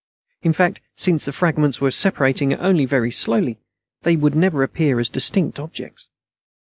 In fact, since the fragments were separating only very slowly, they never would appear as distinct objects.